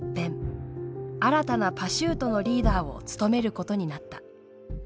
新たなパシュートのリーダーを務めることになった。